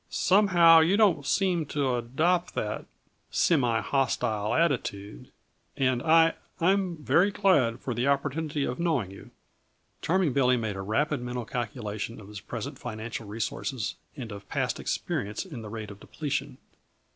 "Somehow, you don't seem to adopt that semi hostile attitude, and I I'm very glad for the opportunity of knowing you." Charming Billy made a rapid mental calculation of his present financial resources and of past experience in the rate of depletion.